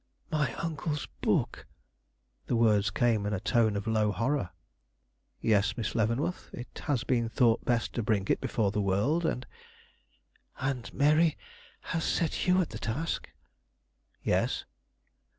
"My uncle's book!" The words came in a tone of low horror. "Yes, Miss Leavenworth. It has been thought best to bring it before the world, and " "And Mary has set you at the task?" "Yes."